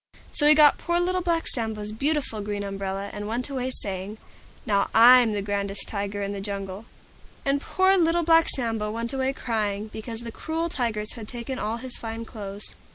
So he got poor Little Black Sambo's beautiful Green Umbrella, and went away saying, "Now I'm the grandest Tiger in the Jungle." And poor Little Black Sambo went away crying, because the cruel Tigers had taken all his fine clothes.